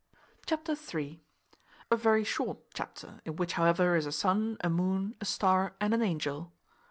Chapter iii. A very short chapter, in which however is a sun, a moon, a star, and an angel.